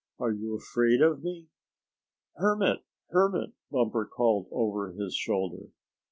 Are you afraid of me?" "Hermit! Hermit!" Bumper called over his shoulder.